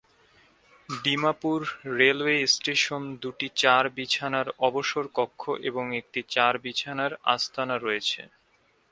Dimapur railway station দুটি চার বিছানার অবসর কক্ষ এবং একটি চার-বিছানার আস্তানা রয়েছে।